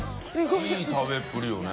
いい食べっぷりよね。